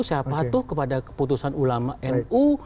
saya patuh kepada keputusan ulama nu